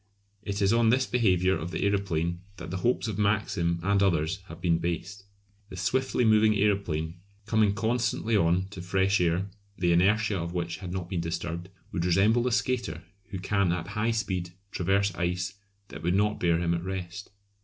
It is on this behaviour of the aeroplane that the hopes of Maxim and others have been based. The swiftly moving aeroplane, coming constantly on to fresh air, the inertia of which had not been disturbed, would resemble the skater who can at high speed traverse ice that would not bear him at rest.